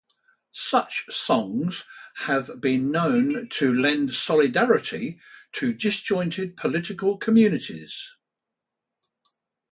Such songs have been known to lend solidarity to disjointed political communities.